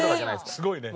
すごいね。